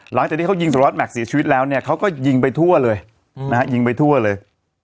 หลังจากที่เขายิงสารวัสแม็กซเสียชีวิตแล้วเนี่ยเขาก็ยิงไปทั่วเลยนะฮะยิงไปทั่วเลย